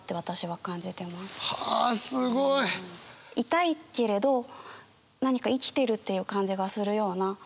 痛いけれど何か生きてるっていう感じがするような。